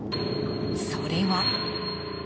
それは。